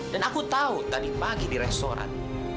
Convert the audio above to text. dan aku tahu tadi pagi di restoran